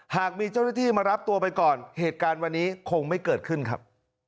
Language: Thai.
หากมีเจ้าหน้าที่มารับตัวไปก่อนเหตุการณ์วันนี้คงไม่เกิดขึ้นครับ